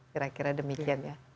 kira kira demikian ya